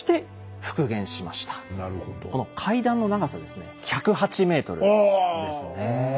この階段の長さですね１０８ｍですね。